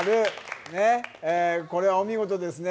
これはお見事ですね。